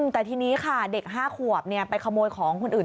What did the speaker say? แต่ทีนี้ค่ะเด็ก๕ขวบไปขโมยของคนอื่น